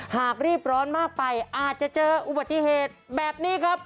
หากรีบร้อนมากไปอาจจะเจออุบัติเหตุแบบนี้ครับ